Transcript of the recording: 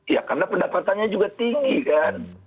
ya karena pendapatannya juga tinggi kan